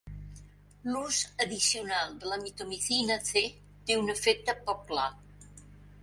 L'ús addicional de la mitomicina C té un efecte poc clar.